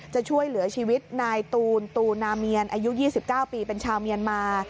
จะช่วยเหลือชีวิตนายตูนตูนาเมียนอายุ๒๙ปีเป็นชาวเมียนมา